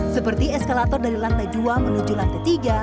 seperti eskalator dari lantai dua menuju lantai tiga